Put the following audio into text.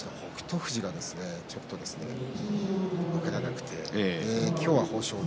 富士が分からなくて今日は豊昇龍